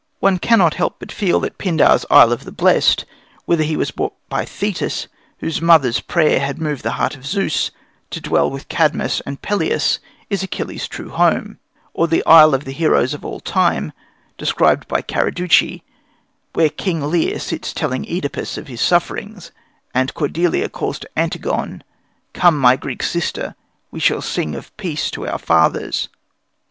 One cannot help feeling that Pindar's Isle of the Blest, whither he was brought by Thetis, whose mother's prayer had moved the Heart of Zeus, to dwell with Cadmus and Peleus, is Achilles' true home; or the isle of the heroes of all time, described by Carducci, where King Lear sits telling OEdipus of his sufferings, and Cordelia calls to Antigone, "Come, my Greek sister! We will sing of peace to our fathers."